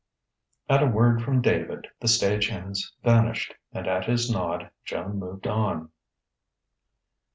At a word from David, the stage hands vanished, and at his nod Joan moved on.